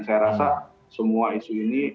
saya rasa semua isu ini